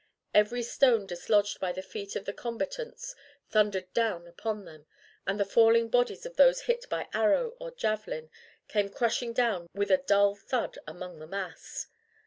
Every stone dislodged by the feet of the combatants thundered down upon them, and the falling bodies of those hit by arrow or javelin came crushing down with a dull thud among the mass.